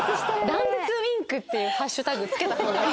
「断絶ウインク」っていうハッシュタグ付けた方がいい。